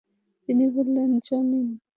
তিনি বললেন, যমীন।